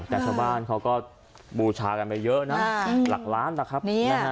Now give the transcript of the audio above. แต่ชาวบ้านเขาก็บูชากันไปเยอะนะหลักล้านนะครับ